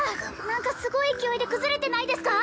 何かすごい勢いで崩れてないですか？